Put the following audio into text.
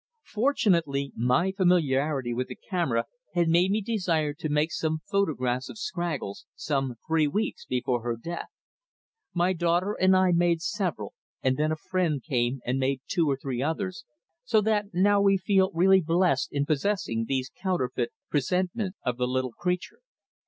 Fortunately, my familiarity with the camera had made me desire to make some photographs of Scraggles some three weeks before her death. My daughter and I made several, and then a friend came and made two or three others, so that now we feel really blessed in possessing these counterfeit presentments of the little creature.